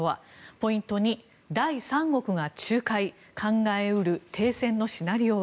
ポイント２、第三国が仲介考え得る停戦のシナリオは。